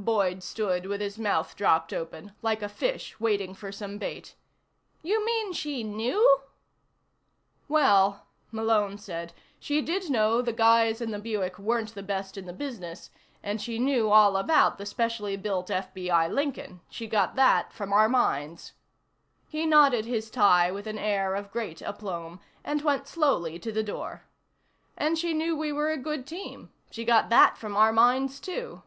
"Her " Boyd stood with his mouth dropped open, like a fish waiting for some bait. "You mean she knew?" "Well," Malone said, "she did know the guys in the Buick weren't the best in the business and she knew all about the specially built FBI Lincoln. She got that from our minds." He knotted his tie with an air of great aplomb, and went slowly to the door. "And she knew we were a good team. She got that from our minds, too."